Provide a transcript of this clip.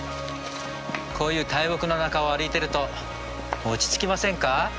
こういう大木の中を歩いてると落ち着きませんか？